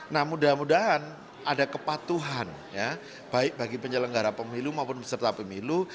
nah mudah mudahan ada kepatuhan ya baik bagi penyelenggara pemilu maupun peserta pemilu